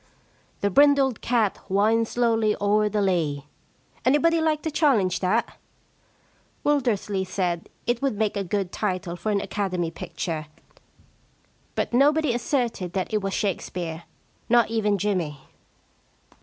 The brindled cat winds slowly o*er the lea— anybody like to challenge that ?' Wildersley said it would make a good title for an Academy picture, but nobody asserted that it was Shakespeare — not even Jimmy.